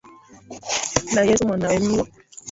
Na Yesu Mwanawe Mungu.